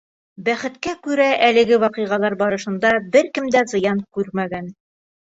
Бәхеткә күрә, әлеге ваҡиғалар барышында бер кем дә зыян күрмәгән.